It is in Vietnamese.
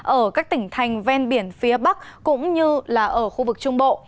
ở các tỉnh thành ven biển phía bắc cũng như là ở khu vực trung bộ